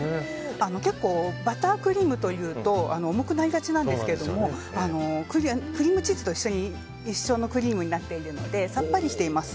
結構バタークリームというと重くなりがちなんですけれどもクリームチーズと一緒のクリームになっているのでさっぱりしています。